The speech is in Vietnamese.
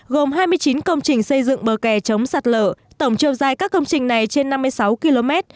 gồm hai mươi chín công trình xây dựng bờ kè chống sạt lở tổng chiều dài các công trình này trên năm mươi sáu km